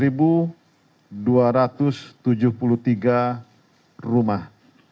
rumah rusak sedang sebanyak tujuh dua ratus tujuh puluh tiga rumah